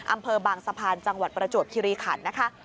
อำเภอบางสะพานจังหวัดประจวบคิริขันนะคะ